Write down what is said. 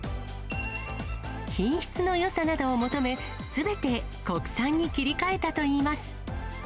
品質のよさなどを求め、すべて国産に切り替えたといいます。